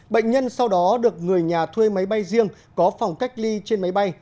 bệnh nhân sau đó được người nhà thuê máy bay riêng có phòng cách ly trên máy bay